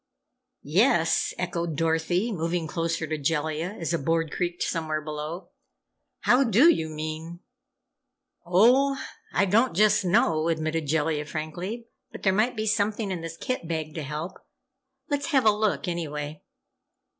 "Yes," echoed Dorothy, moving closer to Jellia as a board creaked somewhere below. "How do you mean?" "Oh, I don't just know," admitted Jellia, frankly. "But there might be something in this kit bag to help! Let's have a look, anyway."